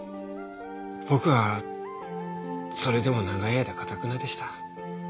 僕はそれでも長い間頑なでした。